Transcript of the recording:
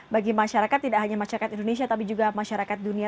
bagi masyarakat tidak hanya masyarakat indonesia tapi juga masyarakat dunia